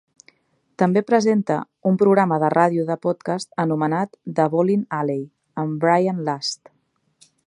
També presenta un programa de radio de podcast anomenat "The Bolin Alley" amb Brian Last.